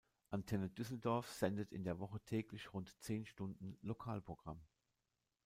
Antenne Düsseldorf sendet in der Woche täglich rund zehn Stunden Lokalprogramm.